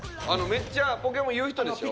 めっちゃポケモン言う人でしょ？